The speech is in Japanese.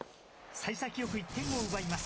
さい先よく、１点を奪います。